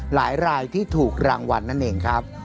หลายรายที่ถูกรางวัลนั่นเองครับ